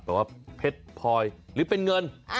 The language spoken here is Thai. ว่าเพชรพลอยหรือเป็นเงิน